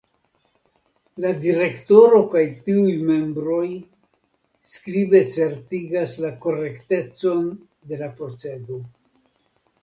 La Direktoro kaj tiuj membroj skribe certigas la korektecon de la procedo.